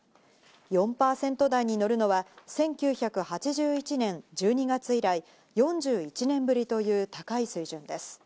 ４％台に乗るのは１９８１年１２月以来、４１年ぶりという高い水準です。